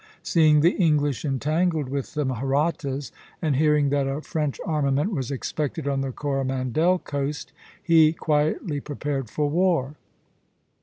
Seeing the English entangled with the Mahrattas, and hearing that a French armament was expected on the Coromandel coast, he quietly prepared for war.